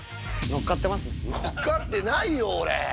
乗っかってないよ、俺。